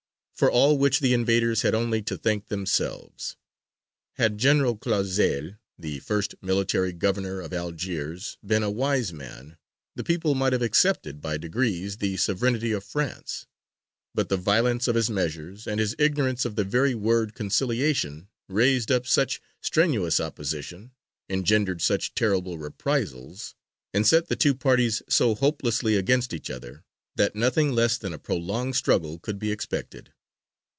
For all which the invaders had only to thank themselves. Had General Clausel, the first military governor of Algiers, been a wise man, the people might have accepted, by degrees, the sovereignty of France. But the violence of his measures, and his ignorance of the very word "conciliation," raised up such strenuous opposition, engendered such terrible reprisals, and set the two parties so hopelessly against each other, that nothing less than a prolonged struggle could be expected.